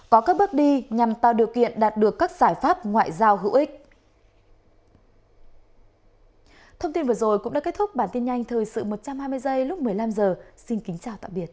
có các bước đi nhằm tạo điều kiện đạt được các giải pháp ngoại giao hữu ích